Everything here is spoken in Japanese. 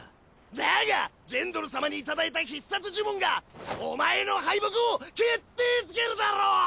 だがジェンドル様にいただいた必殺呪文がお前の敗北を決定づけるだろう！